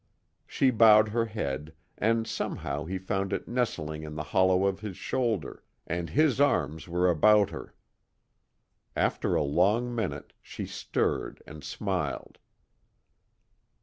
She bowed her head, and somehow he found it nestling in the hollow of his shoulder, and his arms were about her. After a long minute, she stirred and smiled.